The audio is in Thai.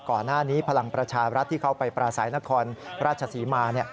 ก่อนหน้านี้พลังประชารัฐที่เข้าไปปราศัยนครราชศรีมา